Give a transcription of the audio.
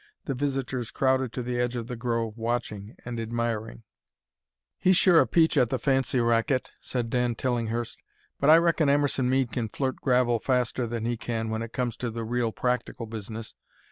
The visitors crowded to the edge of the grove, watching and admiring. "He's a sure peach at the fancy racket," said Dan Tillinghurst, "but I reckon Emerson Mead can flirt gravel faster than he can when it comes to the real practical business.